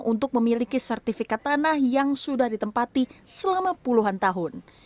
untuk memiliki sertifikat tanah yang sudah ditempati selama puluhan tahun